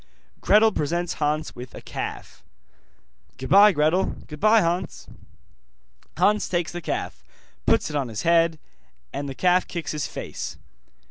Gretel presents Hans with a calf. 'Goodbye, Gretel.' 'Goodbye, Hans.' Hans takes the calf, puts it on his head, and the calf kicks his face.